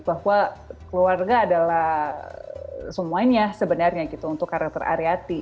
bahwa keluarga adalah semuanya sebenarnya gitu untuk karakter ariyati